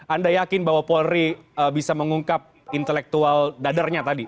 anda yakin bahwa paul ri bisa mengungkap intelektual dadernya tadi